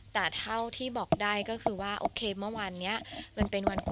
ถ้าเขาอยากมาตอนตอนตื่น